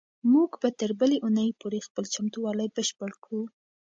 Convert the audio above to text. موږ به تر بلې اونۍ پورې خپل چمتووالی بشپړ کړو.